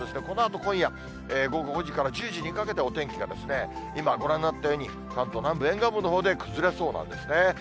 このあと今夜、午後５時から１０時にかけて、お天気が今、ご覧になったように、関東南部、沿岸部のほうで崩れそうなんですね。